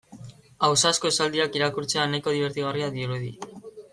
Ausazko esaldiak irakurtzea nahiko dibertigarria dirudi.